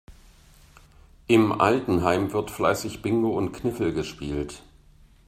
Im Altenheim wird fleißig Bingo und Kniffel gespielt.